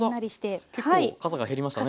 結構かさが減りましたね。